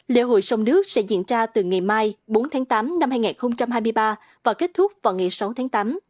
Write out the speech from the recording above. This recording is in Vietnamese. lễ hội sông nước sẽ diễn ra từ ngày mai bốn tháng tám năm hai nghìn hai mươi ba và kết thúc vào ngày sáu tháng tám